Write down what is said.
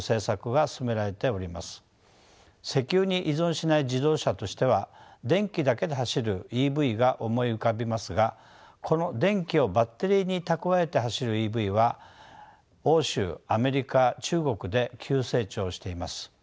石油に依存しない自動車としては電気だけで走るＥＶが思い浮かびますがこの電気をバッテリーに蓄えて走るＥＶは欧州アメリカ中国で急成長しています。